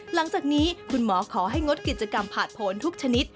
หลังจากนี้คุณหมอขอให้งดกิจกรรมผ่านผลทุกชนิด